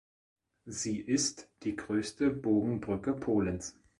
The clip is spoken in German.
Sie ist die größte Bogenbrücke Polens.